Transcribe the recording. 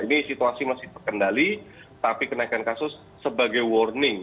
ini situasi masih terkendali tapi kenaikan kasus sebagai warning